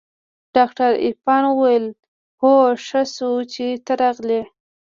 ډاکتر عرفان وويل اوهو ښه شو چې ته راغلې.